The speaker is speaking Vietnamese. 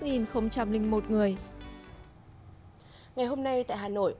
ngày hôm nay tại hà nội